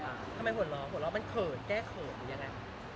ทำไมหัวเราะมันเกลียดแก้เขินอันยังไง